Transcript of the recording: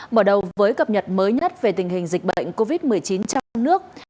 mở đầu với cập nhật mới nhất về tình hình dịch bệnh covid một mươi chín trong nước